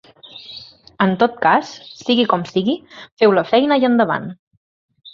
En tot cas, sigui com sigui, feu la feina i endavant.